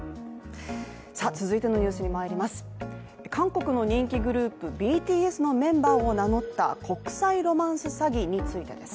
韓国の人気グループ、ＢＴＳのメンバーを名乗った国際ロマンス詐欺についてです。